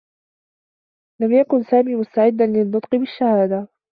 لم يكن سامي مستعدّا للنّطق بالشّهادة.